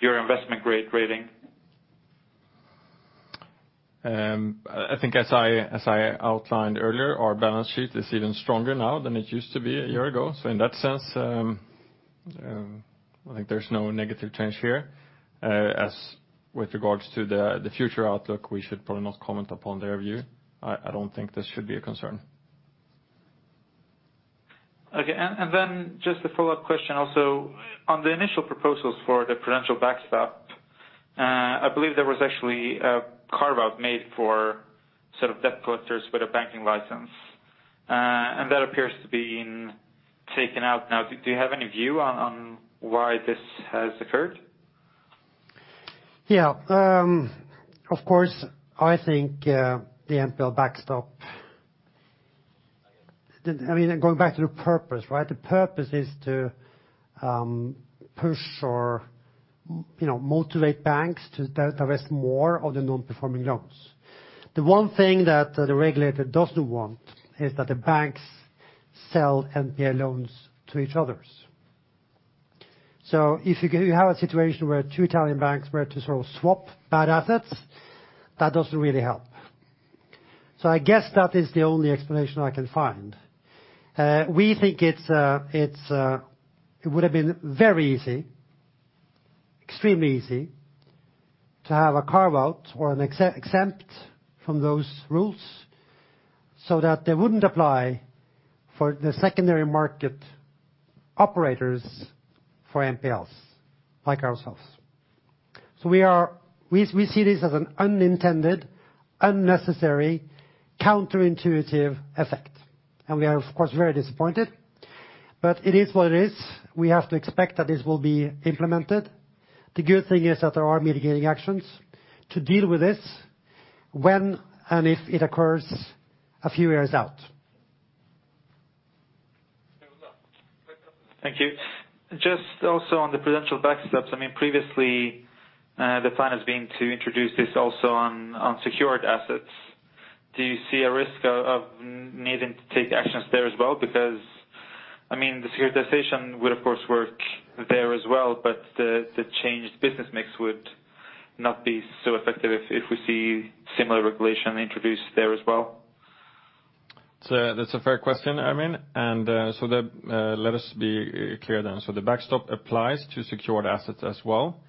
your investment grade rating? I think as I outlined earlier, our balance sheet is even stronger now than it used to be a year ago. In that sense, I think there's no negative change here. With regards to the future outlook, we should probably not comment upon their view. I don't think this should be a concern. Okay. Just a follow-up question also. On the initial proposals for the Prudential backstop, I believe there was actually a carve-out made for debt collectors with a banking license. That appears to have been taken out now. Do you have any view on why this has occurred? Yeah. Of course, I think the NPL backstop. Going back to the purpose. The purpose is to push or motivate banks to divest more of the non-performing loans. The one thing that the regulator doesn't want is that the banks sell NPL loans to each others. If you have a situation where two Italian banks were to swap bad assets, that doesn't really help. I guess that is the only explanation I can find. We think it would've been very easy, extremely easy to have a carve out or an exempt from those rules so that they wouldn't apply for the secondary market operators for NPLs like ourselves. We see this as an unintended, unnecessary, counterintuitive effect, and we are, of course, very disappointed. It is what it is. We have to expect that this will be implemented. The good thing is that there are mitigating actions to deal with this when and if it occurs a few years out. Thank you. Just also on the Prudential backstops, previously the plan has been to introduce this also on secured assets. Do you see a risk of needing to take actions there as well? The securitization would of course work there as well, but the changed business mix would not be so effective if we see similar regulation introduced there as well. That's a fair question, Ermin. Let us be clear then. The backstop applies to secured assets as well,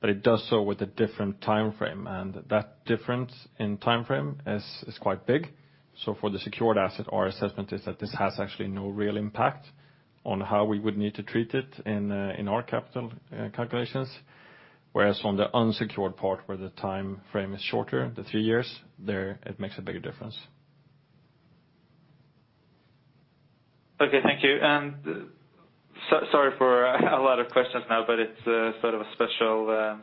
but it does so with a different timeframe, and that difference in timeframe is quite big. For the secured asset, our assessment is that this has actually no real impact on how we would need to treat it in our capital calculations. Whereas on the unsecured part where the timeframe is shorter, the three years, there it makes a bigger difference. Okay, thank you. Sorry for a lot of questions now, but it's sort of a special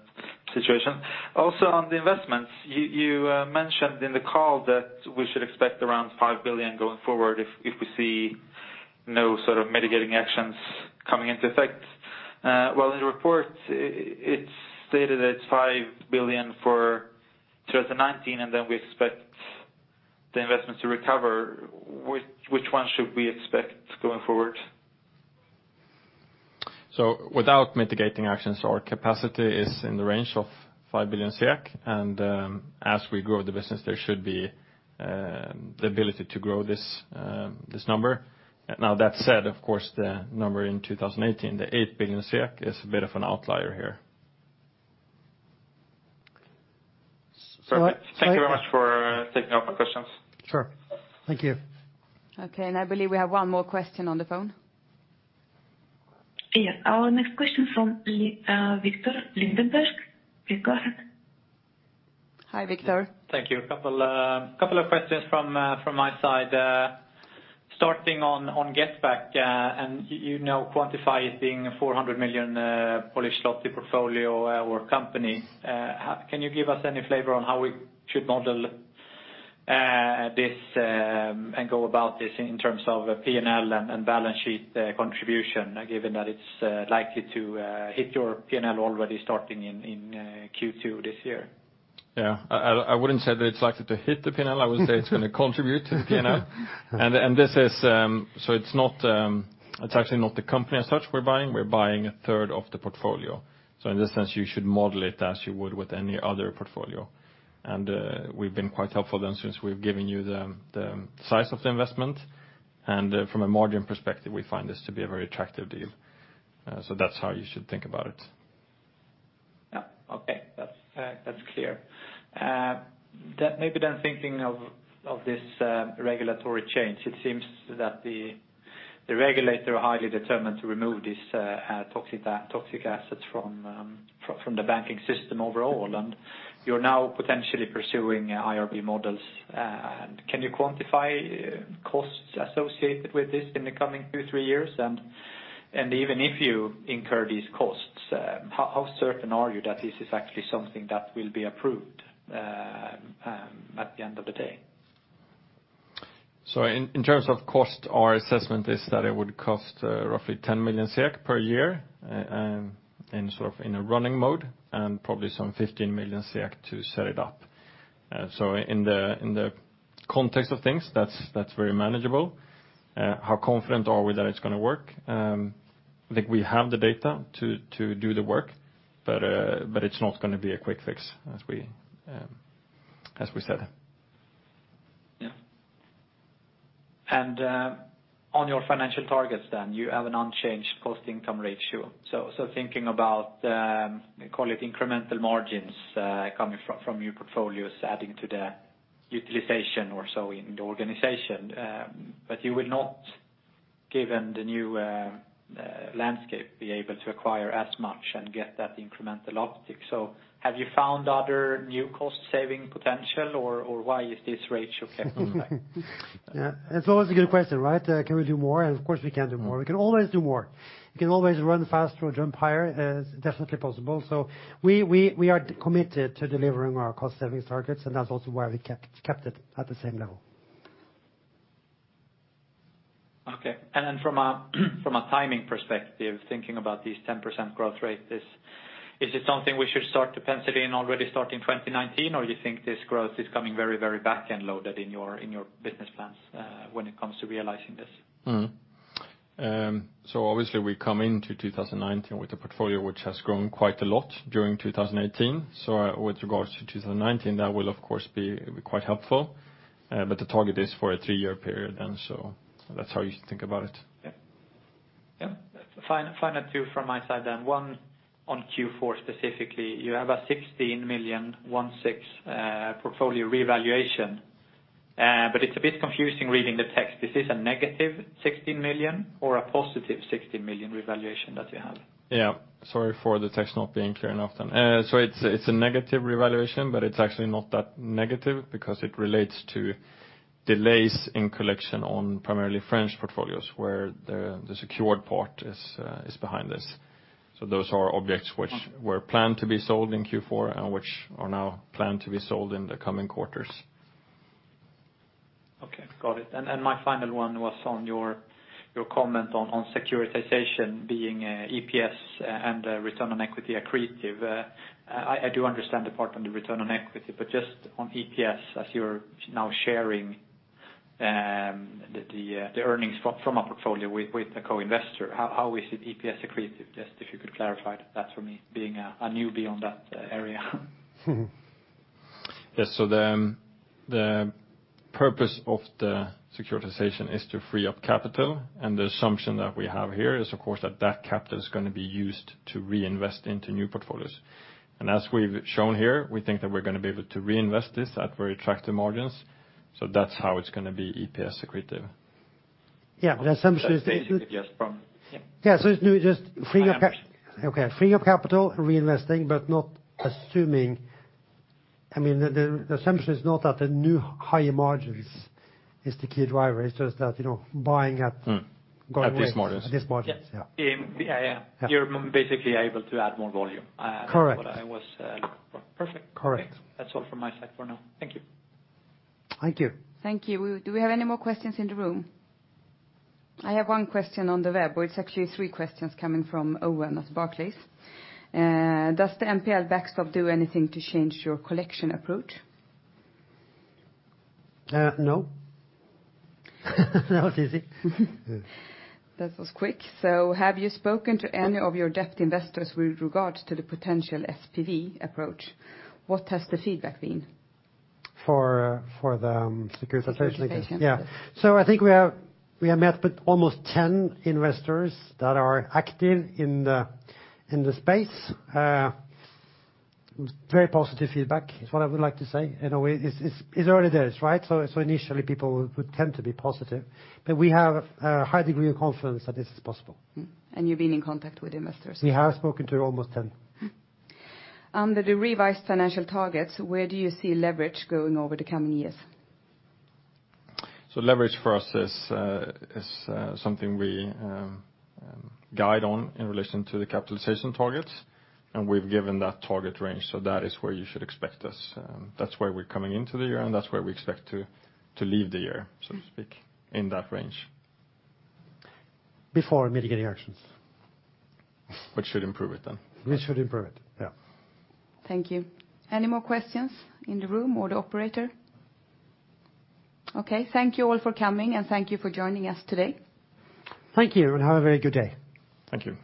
situation. Also on the investments, you mentioned in the call that we should expect around 5 billion going forward if we see no sort of mitigating actions coming into effect. While in the report, it's stated that it's 5 billion for 2019, and then we expect the investments to recover. Which one should we expect going forward? Without mitigating actions, our capacity is in the range of 5 billion, and as we grow the business, there should be the ability to grow this number. That said, of course, the number in 2018, the 8 billion SEK is a bit of an outlier here. Perfect. Thank you very much for taking all my questions. Sure. Thank you. Okay. I believe we have one more question on the phone. Yes. Our next question from Victor Lindeberg. Victor. Hi, Victor. Thank you. Couple of questions from my side. Starting on GetBack. You now quantify it being a 400 million Polish zloty portfolio or company. Can you give us any flavor on how we should model this, and go about this in terms of P&L and balance sheet contribution, given that it's likely to hit your P&L already starting in Q2 this year? Yeah. I wouldn't say that it's likely to hit the P&L. I would say it's going to contribute to the P&L. It's actually not the company as such we're buying, we're buying a third of the portfolio. In this sense, you should model it as you would with any other portfolio. We've been quite helpful then, since we've given you the size of the investment, and from a margin perspective, we find this to be a very attractive deal. That's how you should think about it. Yeah. Okay. That's clear. Thinking of this regulatory change, it seems that the regulator are highly determined to remove these toxic assets from the banking system overall, and you're now potentially pursuing IRB models. Can you quantify costs associated with this in the coming two, three years? Even if you incur these costs, how certain are you that this is actually something that will be approved at the end of the day? In terms of cost, our assessment is that it would cost roughly 10 million per year in a running mode and probably some 15 million to set it up. In the context of things, that's very manageable. How confident are we that it's going to work? I think we have the data to do the work, but it's not going to be a quick fix, as we said. Yeah. On your financial targets then, you have an unchanged cost income ratio. Thinking about the, call it incremental margins coming from your portfolios, adding to the utilization or so in the organization, you will not, given the new landscape, be able to acquire as much and get that incremental uptick. Have you found other new cost-saving potential, or why is this ratio kept intact? Yeah. It's always a good question, right? Can we do more? Of course, we can do more. We can always do more. We can always run faster or jump higher. It's definitely possible. We are committed to delivering our cost-savings targets, and that's also why we kept it at the same level. Okay. From a timing perspective, thinking about this 10% growth rate, is it something we should start to pencil in already starting 2019, or you think this growth is coming very back-end loaded in your business plans when it comes to realizing this? Mm-hmm. Obviously, we come into 2019 with a portfolio which has grown quite a lot during 2018. With regards to 2019, that will, of course, be quite helpful. The target is for a three-year period, that's how you think about it. Yeah. Final two from my side then. One on Q4 specifically. You have a 16 million, one six, portfolio revaluation. It's a bit confusing reading the text. This is a negative 16 million or a positive 16 million revaluation that you have? Yeah. Sorry for the text not being clear enough then. It's a negative revaluation, it's actually not that negative because it relates to delays in collection on primarily French portfolios where the secured part is behind this. Those are objects which were planned to be sold in Q4 and which are now planned to be sold in the coming quarters. Okay, got it. My final one was on your comment on securitization being EPS and return on equity accretive. I do understand the part on the return on equity, but just on EPS, as you're now sharing the earnings from a portfolio with the co-investor, how is it EPS accretive? Just if you could clarify that for me, being a newbie on that area. The purpose of the securitization is to free up capital. The assumption that we have here is, of course, that capital is going to be used to reinvest into new portfolios. As we've shown here, we think that we're going to be able to reinvest this at very attractive margins. That's how it's going to be EPS accretive. Yeah, the assumption is- That's basically just from-- Yeah. Yeah, it's just freeing up- I understand okay, freeing up capital, reinvesting, but not assuming. The assumption is not that the new higher margins is the key driver. It's just that buying at- At these margins. At these margins. Yeah. Yeah. You're basically able to add more volume- Correct is what I was looking for. Perfect. Correct. Thanks. That's all from my side for now. Thank you. Thank you. Thank you. Do we have any more questions in the room? I have one question on the web. Well, it's actually three questions coming from Owen of Barclays. Does the NPL backstop do anything to change your collection approach? No. That was easy. That was quick. Have you spoken to any of your debt investors with regards to the potential SPV approach? What has the feedback been? For the securitization you're talking. Securitization. I think we have met with almost 10 investors that are active in the space. Very positive feedback is what I would like to say. In a way, it's early days, right? Initially, people would tend to be positive, but we have a high degree of confidence that this is possible. You've been in contact with investors? We have spoken to almost 10. Under the revised financial targets, where do you see leverage going over the coming years? Leverage for us is something we guide on in relation to the capitalization targets, and we've given that target range, so that is where you should expect us. That's where we're coming into the year, and that's where we expect to leave the year, so to speak, in that range. Before mitigating actions. Which should improve it then. Which should improve it. Yeah. Thank you. Any more questions in the room or the operator? Okay, thank you all for coming, and thank you for joining us today. Thank you, and have a very good day. Thank you.